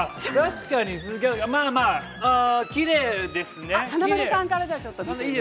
確かに鈴木アナきれいですね。